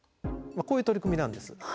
こういう取り組みなんです。